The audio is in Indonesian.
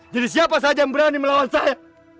jadi siapa saja yang berani melawan saya